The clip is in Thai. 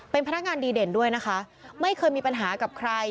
เป็นพนักงานดีเด่นด้วยนะคะไม่เคยมีปัญหากับใคร